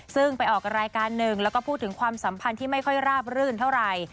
ซึ่งไปออกรายการหนึ่งแล้วก็พูดถึงความสัมพันธ์ที่ไม่ค่อยราบรื่นเท่าไหร่